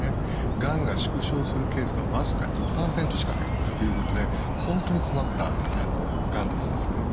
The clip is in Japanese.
がんが縮小するケースが僅か２％しかないということで本当に困ったがんなんですね。